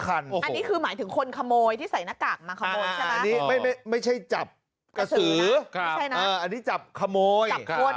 อันนี้ไม่ใช่จับกสืออันนี้จับขโมย